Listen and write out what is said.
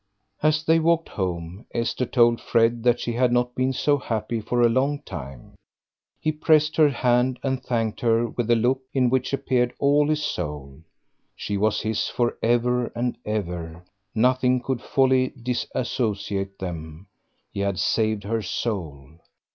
As they walked home, Esther told Fred that she had not been so happy for a long time. He pressed her hand, and thanked her with a look in which appeared all his soul; she was his for ever and ever; nothing could wholly disassociate them; he had saved her soul.